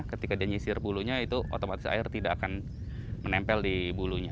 ketika dia nyisir bulunya itu otomatis air tidak akan menempel di bulunya